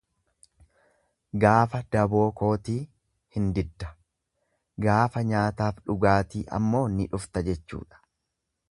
Gaafa daboo kootii hin didda, gaafa nyaataaf dhugaatii ammoo ni dhufta jechuudha.